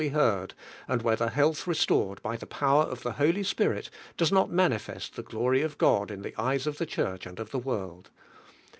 »■ heard, and whether health restored by the power of of the Holy Kpiril docs not manifest the glory of God In the eyes of the Church and or Hie world.